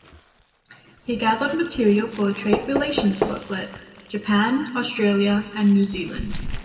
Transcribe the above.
He gathered material for a trade relations booklet, "Japan, Australia and New Zealand".